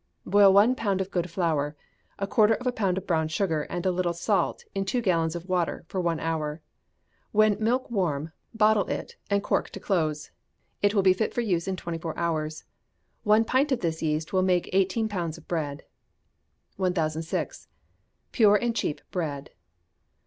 Boil one pound of good flour, a quarter of a pound of brown sugar, and a little salt, in two gallons of water, for one hour. When milk warm, bottle it, and cork it close. It will be fit for use in twenty four hours. One pint of this yeast will make eighteen pounds of bread. 1006. Pure and Cheap Bread.